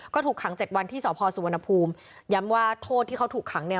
ก็ถูกขังเจ็ดวันที่สพสุวรรณภูมิย้ำว่าโทษที่เขาถูกขังเนี่ย